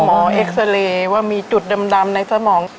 เอ็กซาเรย์ว่ามีจุดดำในสมอง